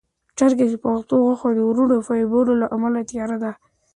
چرګ د پښو غوښه د ورو فایبرونو له امله تیاره ده.